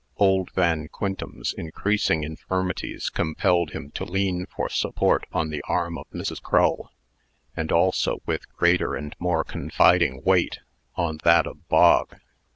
Old Van Quintem's increasing infirmities compelled him to lean for support on the arm of Mrs. Crull, and also with greater and more confiding weight, on that of Bog.